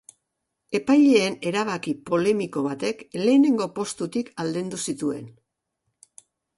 Epaileen erabaki polemiko batek lehenengo postutik aldendu zituen.